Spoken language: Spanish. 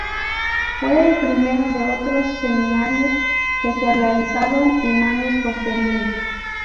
Fue el primero de otros seminarios que se realizaron en años posteriores.